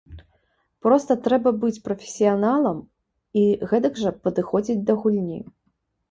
Проста трэба быць прафесіяналам і гэтак жа падыходзіць да гульні.